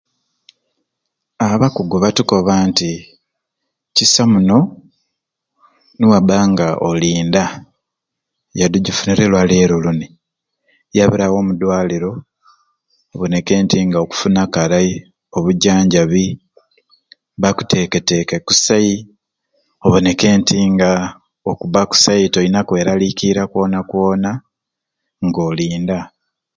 Aaa abakugu batukoba nti kisai muno niwabanga oli nda yadde ojifunire lwaleero luni yabirawo mudwaliro oboneke nti nga okufuna karai obujanjabi bakuteketeke kusai oboneke nti nga okuba kusai toyina kweralikira kwona kwona nga oli nda.